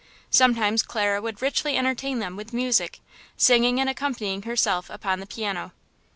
Sometimes Clara would richly entertain them with music–singing and accompanying herself upon the piano.